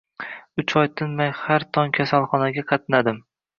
Uch oy tinmay har tong kasalxonaga qatnadim.